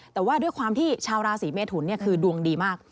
แต่ว่าด้วยความที่ชาวราศีเมทุนคือดวงดีมาก